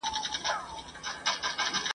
هره ورځ یې دا یوه سندره کړله ..